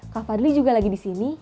kak fadli juga lagi disini